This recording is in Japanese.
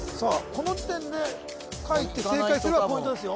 この時点で書いて正解すればポイントですよ